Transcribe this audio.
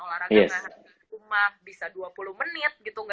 olahraga gak harus cuma bisa dua puluh menit gitu